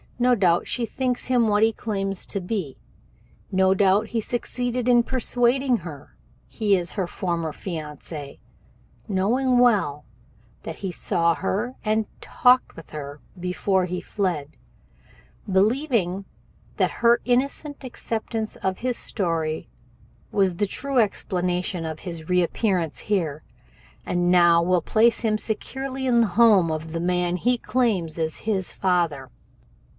No doubt she thinks him what he claims to be. No doubt he succeeded in persuading her he is her former fiancé, knowing well that he saw her and talked with her before he fled, believing that her innocent acceptance of his story as the true explanation of his reappearance here and now will place him securely in the home of the man he claims is his father.